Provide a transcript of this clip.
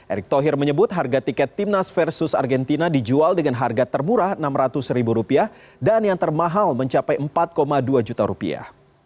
erick thohir menyebut harga tiket timnas versus argentina dijual dengan harga termurah rp enam ratus ribu rupiah dan yang termahal mencapai empat dua juta rupiah